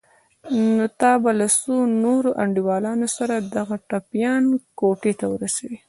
نو ته به له څو نورو انډيوالانو سره دغه ټپيان کوټې ته ورسوې.